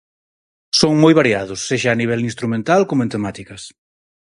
Son moi variados, sexa a nivel instrumental como en temáticas.